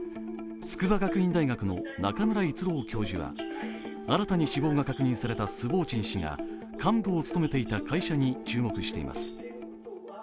筑波学院大学の中村逸郎教授は新たに死亡が確認されたスボーチン氏が幹部を務めていた会社に注目しています。